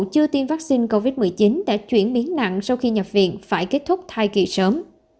chưa tiêm vaccine covid một mươi chín đã chuyển biến nặng sau khi nhập viện phải kết thúc thai kỳ sớm